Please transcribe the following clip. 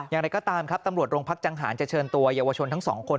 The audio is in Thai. อย่างไรก็ตามครับตำรวจโรงพักจังหารจะเชิญตัวเยาวชนทั้งสองคน